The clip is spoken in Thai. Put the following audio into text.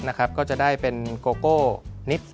ก็จะได้เป็นโกโก้นิด